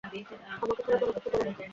আমাকে ছাড়া কোনো কিছু কোরো না।